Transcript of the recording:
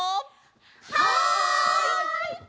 はい！